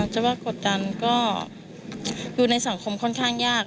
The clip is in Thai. จะว่ากดดันก็อยู่ในสังคมค่อนข้างยาก